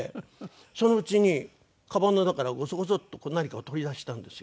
そのうちにかばんの中からゴソゴソッと何かを取り出したんですよ。